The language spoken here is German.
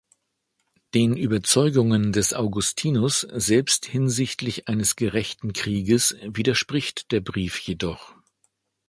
Den Überzeugungen des Augustinus selbst hinsichtlich eines gerechten Krieges widerspricht der Brief jedoch.